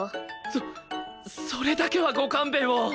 そそれだけはご勘弁を！